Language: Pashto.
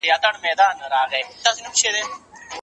د علم په مرسته د نېکمرغۍ او سعادت سمه لار ومومه.